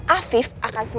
afif akan semak